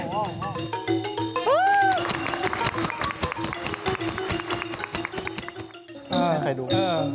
ออกมาให้ดู